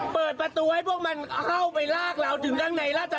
เปิดประตูให้พวกมันเข้าไปลากเราถึงด้านในราช